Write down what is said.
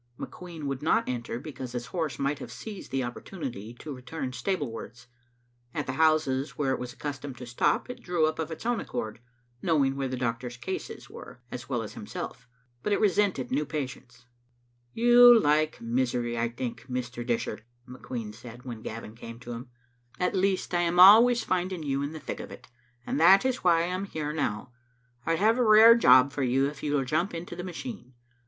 McQueen would not enter, because his horse might have seized the opportunity to return stablewards. At the houses where it was accustomed to stop, it drew up of its own accord, knowing where the Doctor's "cases" were as well as himself, but it resented new patients. "You like misery, I think, Mr. Dishart," McQueen said when Gavin came to him, " at least I am always Digitized by VjOOQ IC loi^ Ubc Xfttle ilSfni0teti finding you in the thick of it, and that is why 1 atti here now. I have a rare job for you if you will jump into the machine.